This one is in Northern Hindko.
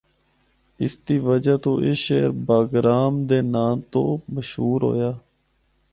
اس دی وجہ تو اے شہر باگرام دے ناں تو مشہور ہویا۔